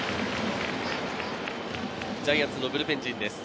ジャイアンツのブルペン陣です。